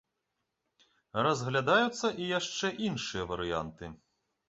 Разглядаюцца і яшчэ іншыя варыянты.